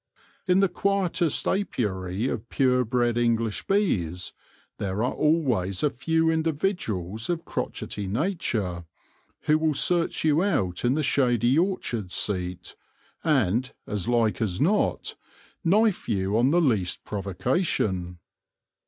In the quietest apiary of pure bred English bees there are always a few individuals of crotchety nature, who will search you out in the shady orchard seat, and, as like as not, knife you on the least provocation.